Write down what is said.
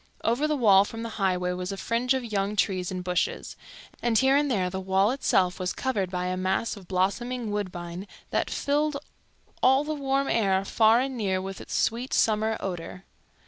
Over the wall from the highway was a fringe of young trees and bushes, and here and there the wall itself was covered by a mass of blossoming woodbine that filled all the warm air far and near with its sweet summer odor.